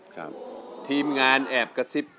ครับทีมงานแอบกระซิบ